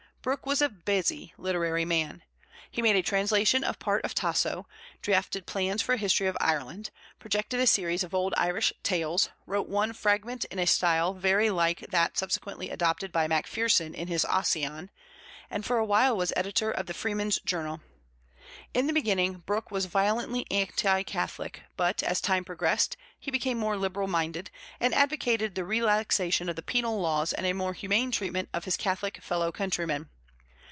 Brooke was a busy literary man. He made a translation of part of Tasso, drafted plans for a History of Ireland, projected a series of old Irish tales, wrote one fragment in a style very like that subsequently adopted by Macpherson in his Ossian, and for a while was editor of the Freeman's Journal. In the beginning, Brooke was violently anti Catholic; but, as time progressed, he became more liberal minded, and advocated the relaxation of the penal laws and a more humane treatment of his Catholic fellow countrymen.